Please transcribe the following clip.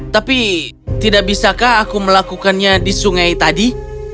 tapi tidak bisakah aku melakukannya di sungai tadi